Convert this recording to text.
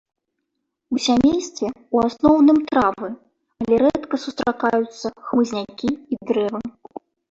У сямействе ў асноўным травы, але рэдка сустракаюцца хмызнякі і дрэвы.